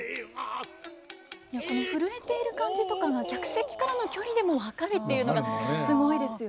この震えている感じとかが客席からの距離でも分かるっていうのがすごいですよね。